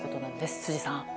辻さん。